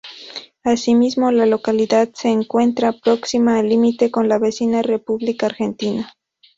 Asimismo, la localidad se encuentra próxima al límite con la vecina República Argentina.